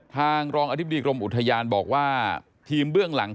ทางรองอธิบดีกรมอุทยานบอกว่า